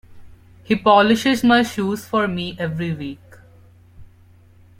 He polishes my shoes for me every week.